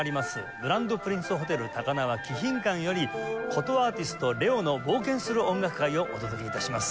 グランドプリンスホテル高輪貴賓館より「箏アーティスト・ＬＥＯの冒険する音楽会」をお届け致します。